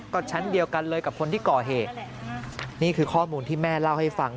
ก็ชั้นเดียวกันเลยกับคนที่ก่อเหตุนี่คือข้อมูลที่แม่เล่าให้ฟัง